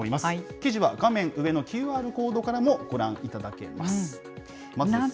記事は、画面上のＱＲコードからもご覧いただけます。